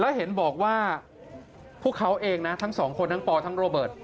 แล้วเห็นบอกว่าพวกเขาเองนะทั้งสองคนทั้งปอทั้งโรเบิร์ต